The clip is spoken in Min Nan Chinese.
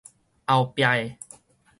後壁的